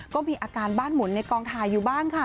ก็มีอาการบ้านหมุนในกองถ่ายอยู่บ้างค่ะ